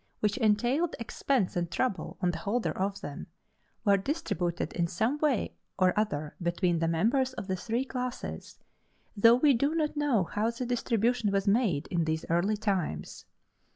which entailed expense and trouble on the holder of them were distributed in some way or other between the members of the three classes, though we do not know how the distribution was made in these early times.